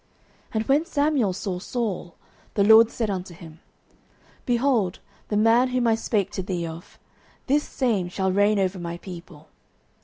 09:009:017 And when Samuel saw Saul, the LORD said unto him, Behold the man whom I spake to thee of! this same shall reign over my people.